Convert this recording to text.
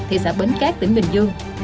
thị xã bến cát tỉnh bình dương